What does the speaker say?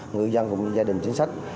người dân và gia đình chính sách